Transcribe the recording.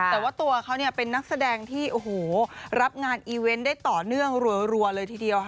แต่ว่าตัวเขาเป็นนักแสดงที่โอ้โหรับงานอีเวนต์ได้ต่อเนื่องรัวเลยทีเดียวค่ะ